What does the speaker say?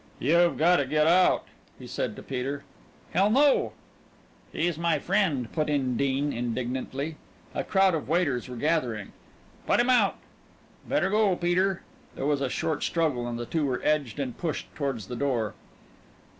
"You've gotta get out!" he said to Peter. "Hell, no!" "He's my friend!" put in Dean indignantly. A crowd of waiters were gathering. "Put him out!" "Better go, Peter." There was a short struggle and the two were edged and pushed toward the door.